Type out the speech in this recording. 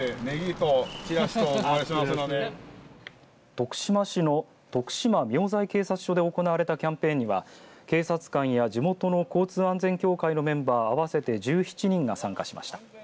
徳島市の徳島名西警察署で行われたキャンペーンには警察官や地元の交通安全協会のメンバー合わせて１７人が参加しました。